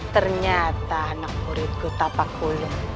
ternyata anak muridku tapak kulit